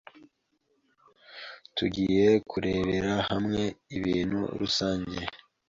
Tugiye kurebera hamwe ibintu rusange